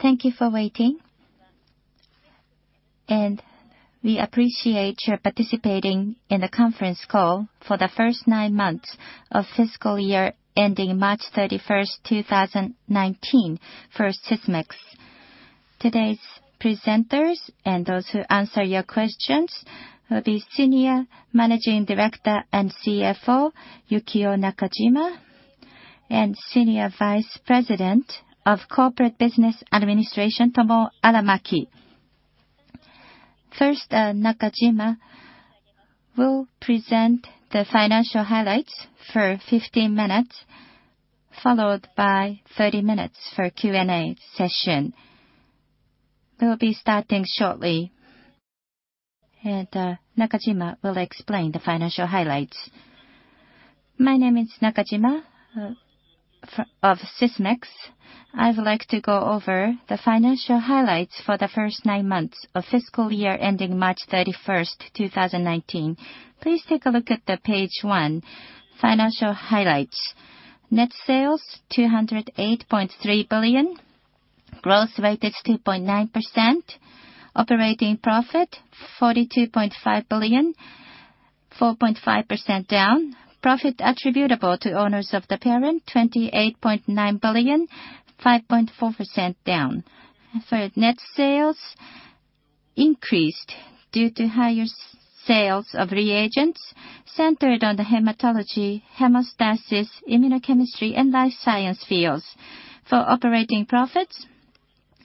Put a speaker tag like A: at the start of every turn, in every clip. A: Thank you for waiting. We appreciate you participating in the conference call for the first nine months of fiscal year ending March 31, 2019 for Sysmex. Today's presenters and those who answer your questions will be Senior Managing Director and CFO, Yukio Nakajima, and Senior Vice President of Corporate Business Administration, Tomoo Aramaki. First, Nakajima will present the financial highlights for 15 minutes, followed by 30 minutes for Q&A session. We'll be starting shortly, and Nakajima will explain the financial highlights. My name is Nakajima of Sysmex. I would like to go over the financial highlights for the first nine months of fiscal year ending March 31, 2019. Please take a look at the page one, financial highlights. Net sales 208.3 billion, growth rate is 2.9%, operating profit 42.5 billion, 4.5% down, profit attributable to owners of the parent 28.9 billion, 5.4% down. For net sales, increased due to higher sales of reagents centered on the hematology, hemostasis, immunochemistry and Life Science fields. For operating profits,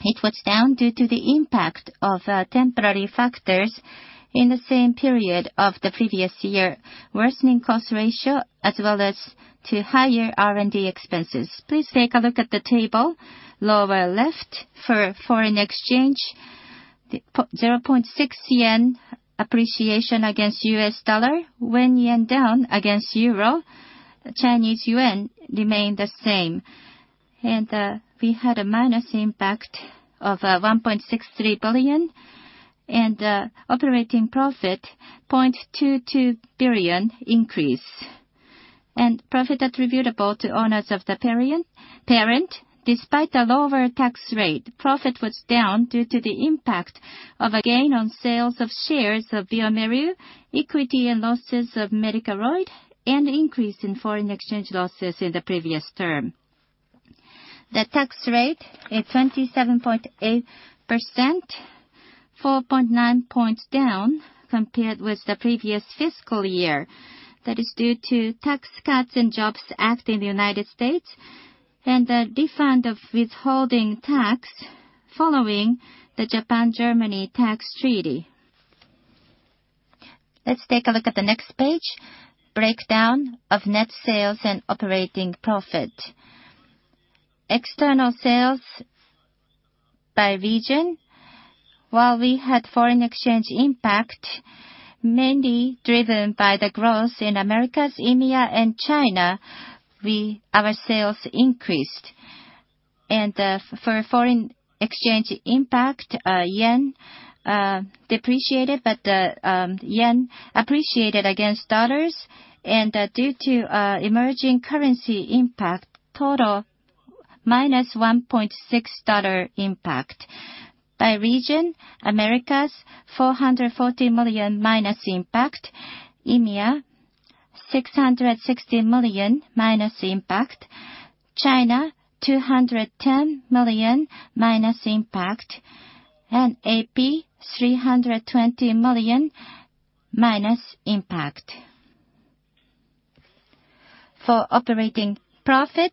A: it was down due to the impact of temporary factors in the same period of the previous year, worsening cost ratio as well as to higher R&D expenses. Please take a look at the table, lower left for foreign exchange, 0.6 yen appreciation against U.S. dollar, when JPY down against EUR, Chinese yuan remained the same. We had a minus impact of 1.63 billion and operating profit 0.22 billion increase. Profit attributable to owners of the parent, despite a lower tax rate, profit was down due to the impact of a gain on sales of shares of bioMérieux, equity and losses of Medicaroid, and increase in foreign exchange losses in the previous term. The tax rate is 27.8%, 4.9 points down compared with the previous fiscal year. That is due to Tax Cuts and Jobs Act in the U.S. and the refund of withholding tax following the Japan-Germany tax treaty. Let's take a look at the next page, breakdown of net sales and operating profit. External sales by region. While we had foreign exchange impact, mainly driven by the growth in Americas, EMEA and China, our sales increased. For foreign exchange impact, JPY depreciated, but JPY appreciated against U.S. dollars and due to emerging currency impact, total minus JPY 1.6 billion impact. By region, Americas 440 million minus impact, EMEA 660 million minus impact, China 210 million minus impact, and AP 320 million minus impact. For operating profit,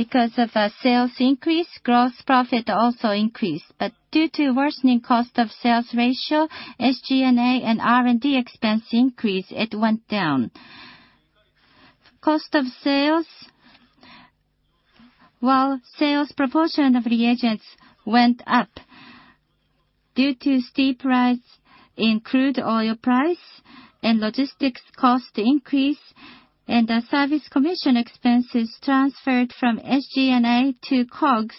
A: because of sales increase, gross profit also increased, but due to worsening cost of sales ratio, SG&A and R&D expense increase, it went down. Cost of sales, while sales proportion of reagents went up due to steep rise in crude oil price and logistics cost increase and the service commission expenses transferred from SG&A to COGS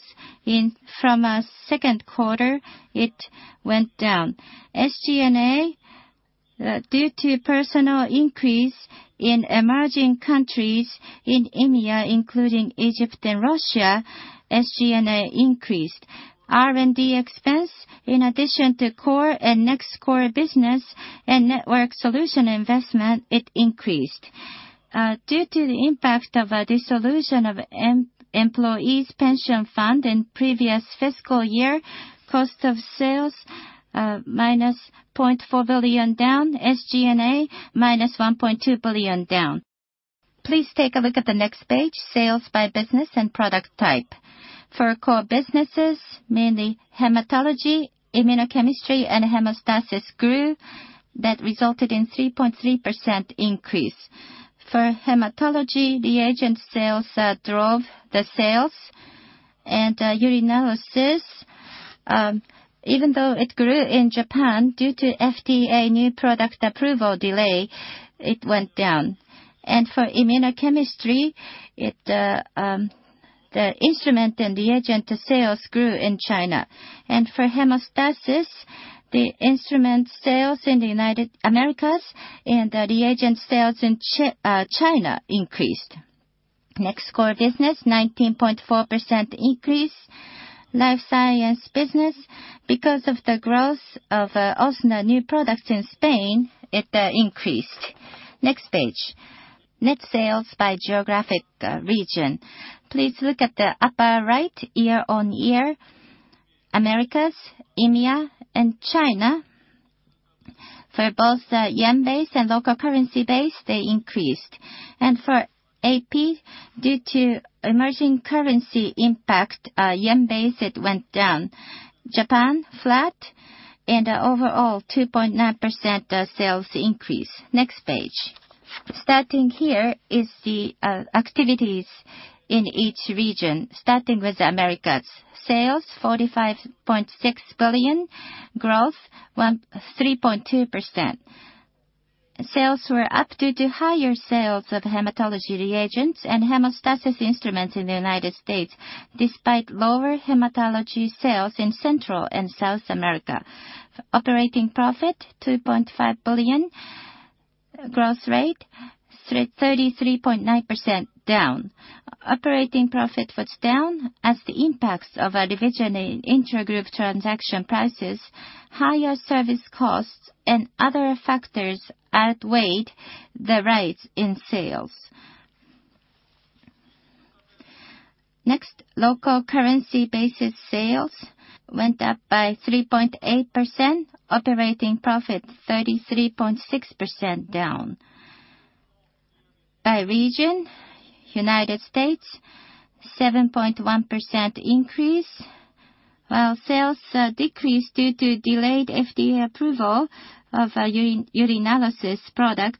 A: from our second quarter, it went down. SG&A, due to personal increase in emerging countries in EMEA, including Egypt and Russia, SG&A increased. R&D expense, in addition to core and next core business and network solution investment, it increased. Due to the impact of dissolution of employees' pension fund in previous fiscal year, cost of sales, minus 0.4 billion down, SG&A minus 1.2 billion down. Please take a look at the next page, sales by business and product type. For core businesses, mainly hematology, immunochemistry and hemostasis grew. That resulted in 3.3% increase. For hematology, reagent sales drove the sales and urinalysis, even though it grew in Japan, due to FDA new product approval delay, it went down. Immunochemistry, the instrument and reagent sales grew in China. Hemostasis, the instrument sales in the United Americas and the reagent sales in China increased. Core business, 19.4% increase. Life Science business, because of the growth of OSNA new products in Spain, it increased. Page. Net sales by geographic region. Please look at the upper right, year-on-year, Americas, EMEA, and China. For both the JPY base and local currency base, they increased. For AP, due to emerging currency impact, JPY base, it went down. Japan, flat, overall 2.9% sales increase. Page. Starting here is the activities in each region, starting with Americas. Sales, 45.6 billion, growth, 3.2%. Sales were up due to higher sales of Hematology reagents and Hemostasis instruments in the U.S., despite lower Hematology sales in Central and South America. Operating profit, 2.5 billion. Growth rate, 33.9% down. Operating profit was down as the impacts of a revision in intra-group transaction prices, higher service costs, and other factors outweighed the rise in sales. Local currency basis sales went up by 3.8%. Operating profit, 33.6% down. By region, U.S., 7.1% increase. While sales decreased due to delayed FDA approval of a Urinalysis product,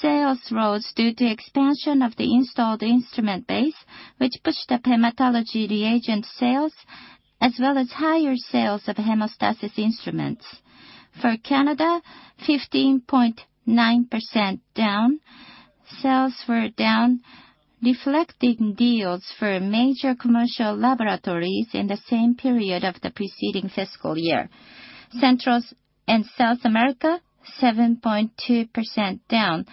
A: sales rose due to expansion of the installed instrument base, which pushed up Hematology reagent sales, as well as higher sales of Hemostasis instruments. For Canada, 15.9% down. Sales were down, reflecting deals for major commercial laboratories in the same period of the preceding fiscal year. Central and South America, 7.2% down.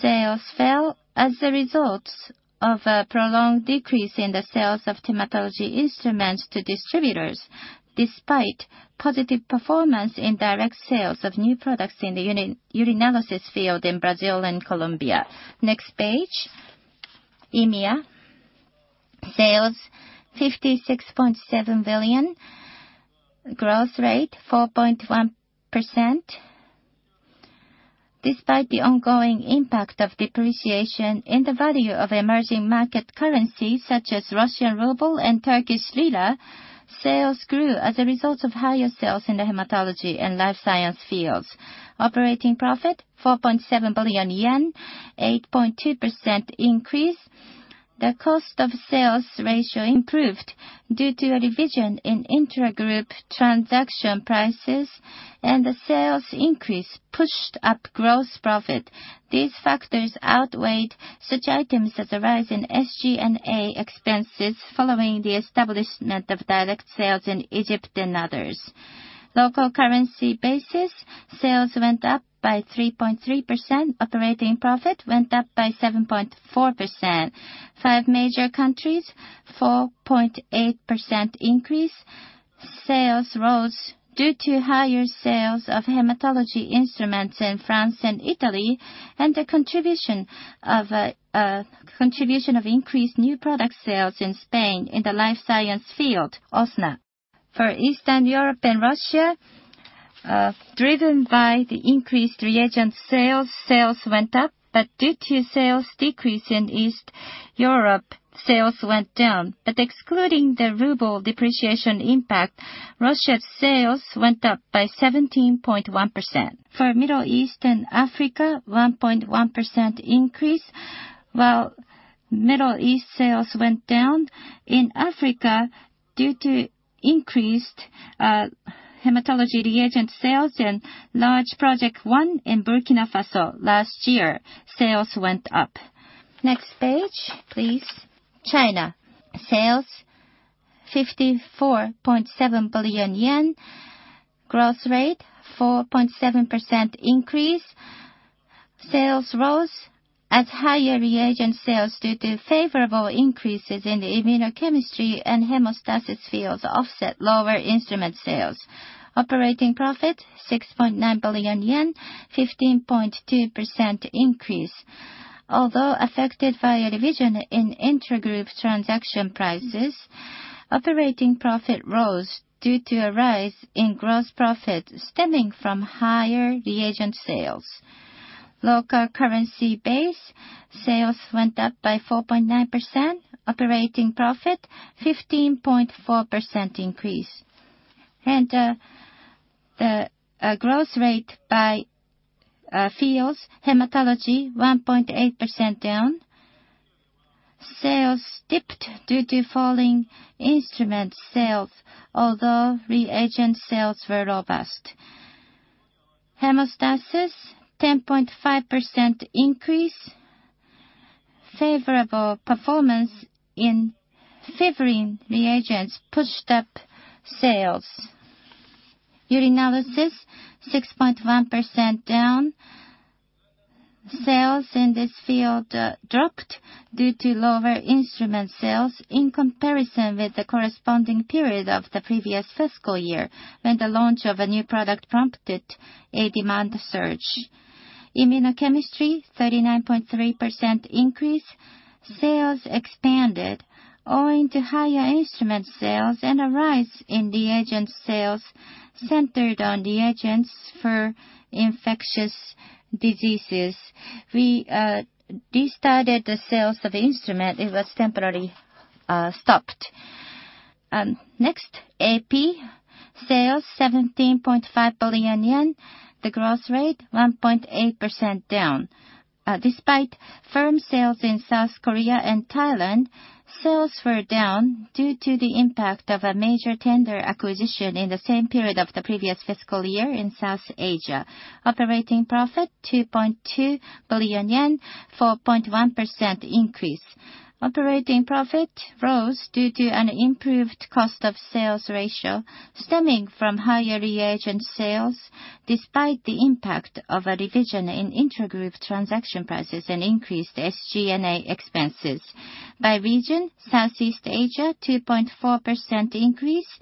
A: Sales fell as a result of a prolonged decrease in the sales of Hematology instruments to distributors, despite positive performance in direct sales of new products in the Urinalysis field in Brazil and Colombia. Page. EMEA. Sales, 56.7 billion. Growth rate, 4.1%. Despite the ongoing impact of depreciation in the value of emerging market currencies such as Russian ruble and Turkish lira, sales grew as a result of higher sales in the Hematology and Life Science fields. Operating profit, 4.7 billion yen, 8.2% increase. The cost of sales ratio improved due to a revision in intra-group transaction prices, the sales increase pushed up gross profit. These factors outweighed such items as a rise in SG&A expenses following the establishment of direct sales in Egypt and others. Local currency basis, sales went up by 3.3%. Operating profit went up by 7.4%. Five major countries, 4.8% increase. Sales rose due to higher sales of Hematology instruments in France and Italy, and the contribution of increased new product sales in Spain in the Life Science field, OSNA. For Eastern Europe and Russia, driven by the increased reagent sales, sales went up, but due to sales decrease in Eastern Europe, sales went down. Excluding the Russian ruble depreciation impact, Russia's sales went up by 17.1%. Middle East and Africa, 1.1% increase. While Middle East sales went down, in Africa, due to increased Hematology reagent sales and large project won in Burkina Faso last year, sales went up. Page, please. China. Sales, 54.7 billion yen. Growth rate, 4.7% increase. Sales rose as higher reagent sales due to favorable increases in the Immunochemistry and Hemostasis fields offset lower instrument sales. Operating profit, 6.9 billion yen, 15.2% increase. Although affected by a revision in intra-group transaction prices, operating profit rose due to a rise in gross profit stemming from higher reagent sales. Local currency base, sales went up by 4.9%. Operating profit, 15.4% increase. The growth rate by fields, hematology, 1.8% down. Sales dipped due to falling instrument sales, although reagent sales were robust. Hemostasis, 10.5% increase. Favoring reagents pushed up sales. Urinalysis, 6.1% down. Sales in this field dropped due to lower instrument sales in comparison with the corresponding period of the previous fiscal year, when the launch of a new product prompted a demand surge. Immunochemistry, 39.3% increase. Sales expanded owing to higher instrument sales and a rise in reagent sales centered on reagents for infectious diseases. We restarted the sales of the instrument. It was temporarily stopped. Next, AP. Sales, 17.5 billion yen, the growth rate 1.8% down. Despite firm sales in South Korea and Thailand, sales were down due to the impact of a major tender acquisition in the same period of the previous fiscal year in South Asia. Operating profit, 2.2 billion yen, 4.1% increase. Operating profit rose due to an improved cost of sales ratio stemming from higher reagent sales, despite the impact of a revision in intra-group transaction prices and increased SG&A expenses. By region, Southeast Asia, 2.4% increase.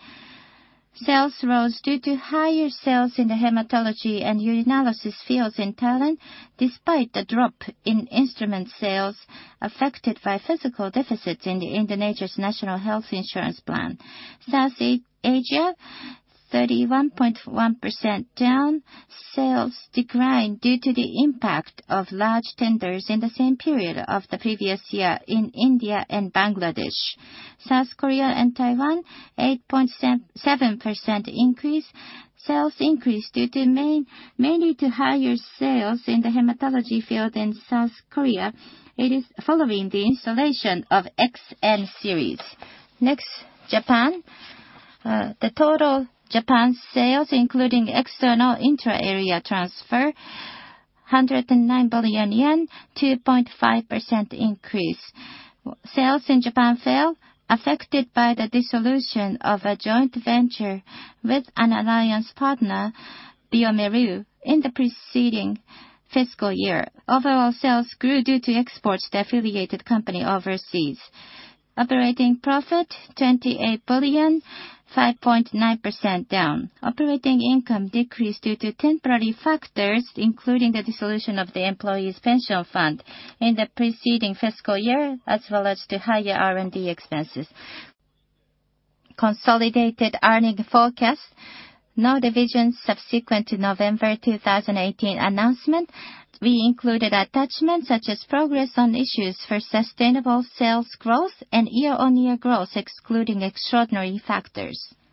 A: Sales rose due to higher sales in the hematology and urinalysis fields in Thailand, despite the drop in instrument sales affected by fiscal deficits in Indonesia's National Health Insurance plan. South Asia, 31.1% down. Sales declined due to the impact of large tenders in the same period of the previous year in India and Bangladesh. South Korea and Taiwan, 8.7% increase. Sales increased mainly due to higher sales in the hematology field in South Korea. It is following the installation of XN series. Next, Japan. The total Japan sales, including external intra-area transfer, 109 billion yen, 2.5% increase. Sales in Japan fell affected by the dissolution of a joint venture with an alliance partner, bioMérieux, in the preceding fiscal year. Overall sales grew due to exports to affiliated company overseas. Operating profit, 28 billion, 5.9% down. Operating income decreased due to temporary factors, including the dissolution of the employees' pension fund in the preceding fiscal year, as well as to higher R&D expenses. Consolidated earnings forecast. No revisions subsequent to November 2018 announcement. We included attachments such as progress on issues for sustainable sales growth and year-on-year growth, excluding extraordinary factors.